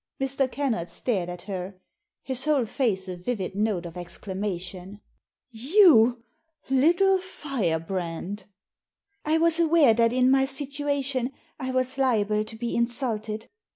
Mr. Kennard stared at her, his whole face a vivid note of exclama tion ..." You— little firebrand !"I was aware that in my situation I was liable to be insulted.